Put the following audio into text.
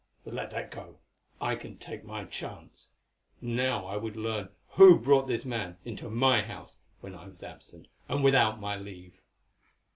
But let that go, I can take my chance; now I would learn who brought this man into my house when I was absent, and without my leave."